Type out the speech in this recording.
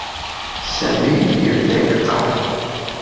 Sami yebda yeqqar.